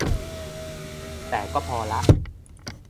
แต่ก็พอละ